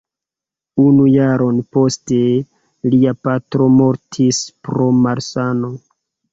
Unu jaron poste, lia patro mortis pro malsano.